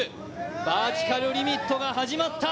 バーティカルリミットが始まった。